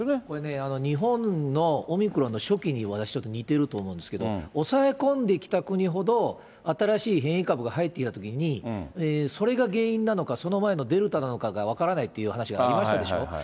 これね、日本のオミクロンの初期に、私ちょっと似てると思うんですけど、抑え込んできた国ほど、新しい変異株が入ってきたときに、それが原因なのか、その前のデルタなのかが分からないっていう話がありましたでしょ。